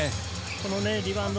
このリバウンド。